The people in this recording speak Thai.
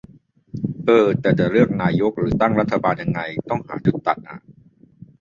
เออ แต่จะเลือกนายกหรือตั้งรัฐบาลยังไง ต้องหาจุดตัดอะ